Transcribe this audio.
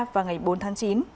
và ngày bốn tháng chín